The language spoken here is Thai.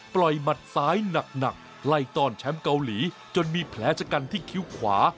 หมัดซ้ายหนักไล่ต้อนแชมป์เกาหลีจนมีแผลชะกันที่คิ้วขวา